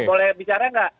boleh bicara tidak